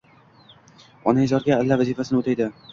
Onaizorga alla vazifasini oʻtaydi.